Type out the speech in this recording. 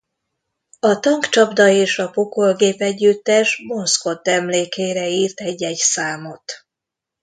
A Tankcsapda és a Pokolgép együttes Bon Scott emlékére írt egy-egy számot.